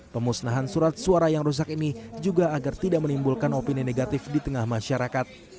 pemusnahan surat suara yang rusak ini juga agar tidak menimbulkan opini negatif di tengah masyarakat